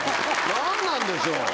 何なんでしょう？